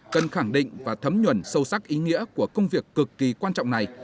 cần khẳng định và thấm nhuần sâu sắc ý nghĩa của công việc cực kỳ quan trọng này